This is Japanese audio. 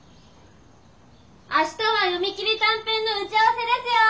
明日は「読み切り短編」の打ち合わせですよォ！